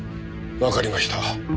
わかりました。